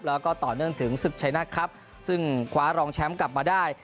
แล้วก็ต่อเนื่องถึงศึกชัยนะครับซึ่งคว้ารองแชมป์กลับมาได้